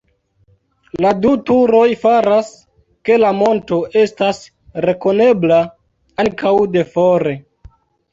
La du turoj faras, ke la monto estas rekonebla ankaŭ de fore.